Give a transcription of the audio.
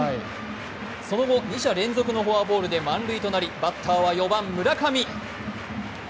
その後、二者連続のフォアボールで満塁となり、バッターは４番・村上。